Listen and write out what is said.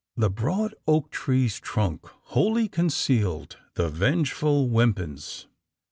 The broad oak tree's trunk wholly concealed the vengeful Wimpins.